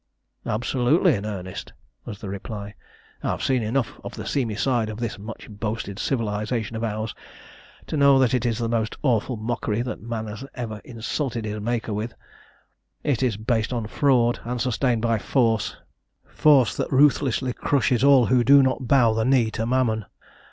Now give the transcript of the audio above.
"Absolutely in earnest," was the reply. "I have seen enough of the seamy side of this much boasted civilisation of ours to know that it is the most awful mockery that man ever insulted his Maker with. It is based on fraud, and sustained by force force that ruthlessly crushes all who do not bow the knee to Mammon.